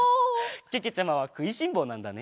けけちゃまはくいしんぼうなんだね。